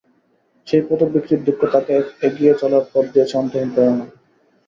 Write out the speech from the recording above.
সেই পদক বিক্রির দুঃখ তাঁকে এগিয়ে চলার পথে দিয়েছে অন্তহীন প্রেরণা।